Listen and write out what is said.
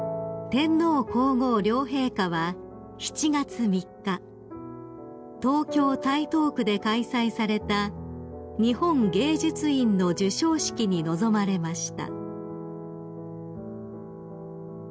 ［天皇皇后両陛下は７月３日東京台東区で開催された日本芸術院の授賞式に臨まれました］